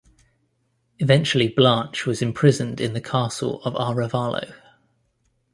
Eventually Blanche was imprisoned in the castle of Arevalo.